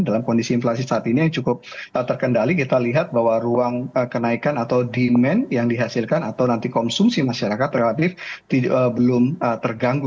dalam kondisi inflasi saat ini yang cukup terkendali kita lihat bahwa ruang kenaikan atau demand yang dihasilkan atau nanti konsumsi masyarakat relatif belum terganggu